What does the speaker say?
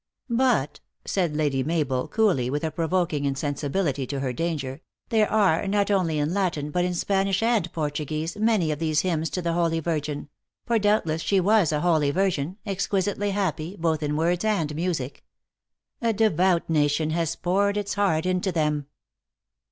"But," said Lady Mabel, coolly, with a provoking insensibility to her danger, " there are, not only in Latin, but in Spanish and Portuguese, many of these hymns to the Holy Yirgin for, doubtless, she was a holy virgin exquisitely happy, both in words and music. A devout nation has poured its heart into them."